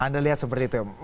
anda lihat seperti itu